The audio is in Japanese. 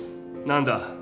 何だ？